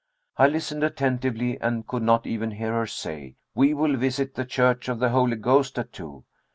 I listened attentively, and could not even hear her say "We will visit the Church of the Holy Ghost at two."